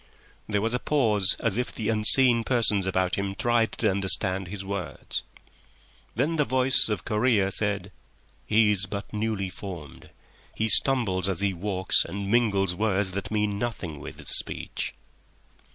There was a pause as if the unseen persons about him tried to understand his words. Then the voice of Correa said: "He is but newly formed. He stumbles as he walks and mingles words that mean nothing with his speech."